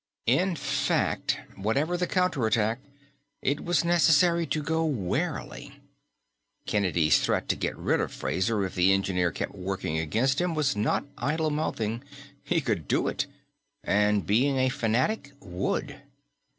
In fact, whatever the counter attack, it was necessary to go warily. Kennedy's threat to get rid of Fraser if the engineer kept working against him was not idle mouthing. He could do it and, being a fanatic, would.